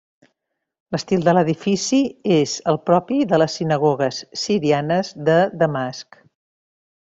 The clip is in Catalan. L'estil de l'edifici, és el propi de les sinagogues sirianes de Damasc.